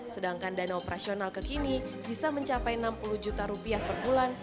sedangkan dana operasional kekini bisa mencapai enam puluh juta rupiah per bulan